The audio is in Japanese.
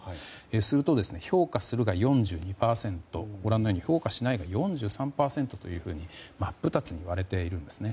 すると、評価するが４２％評価しないが４３％と真っ二つに割れているんです。